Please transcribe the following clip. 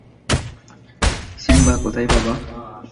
Simba কোথায় বাবা?